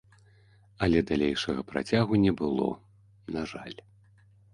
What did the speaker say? Але далейшага працягу не было, на жаль.